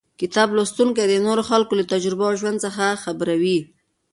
کتاب لوستونکی د نورو خلکو له تجربو او ژوند څخه خبروي.